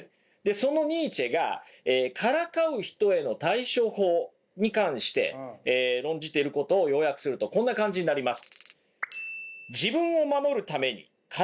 そのニーチェがからかう人への対処法に関して論じていることを要約するとこんな感じになります。